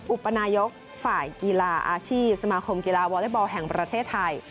อุปนายกฝ่ายกีฬาอาชีพสมาคมกีฬาวอเล็กบอลแห่งประเทศไทย